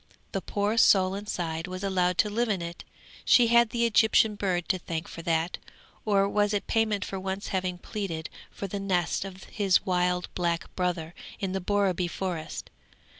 The poor soul inside was allowed to live in it; she had the Egyptian bird to thank for that; or was it payment for once having pleaded for the nest of his wild black brother in the Borreby Forest?